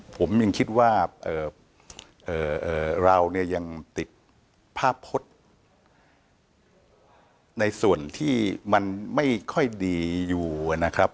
ผมยังคิดว่าเราเนี่ยยังติดภาพพจน์ในส่วนที่มันไม่ค่อยดีอยู่นะครับ